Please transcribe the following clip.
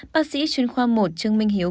bác sĩ chuyên khoa một trương minh hiếu